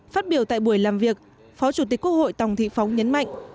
phát biểu tại buổi làm việc phó chủ tịch quốc hội tòng thị phóng nhấn mạnh